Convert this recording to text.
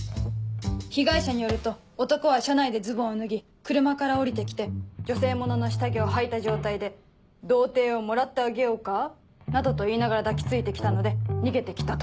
被害者によると男は車内でズボンを脱ぎ車から降りて来て女性物の下着をはいた状態で「童貞をもらってあげようか」などと言いながら抱き付いて来たので逃げて来たと。